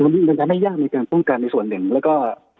มันจะไม่ยากในการป้องกันในส่วนหนึ่งแล้วก็